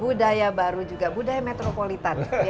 budaya baru juga budaya metropolitan